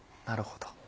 なるほど。